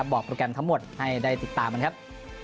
โปรแกรมทั้งหมดให้ได้ติดตามกันครับ